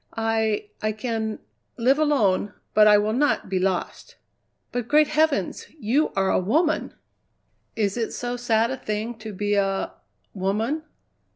I I can live alone, but I will not be lost." "But, great heavens! you are a woman!" "Is it so sad a thing to be a woman?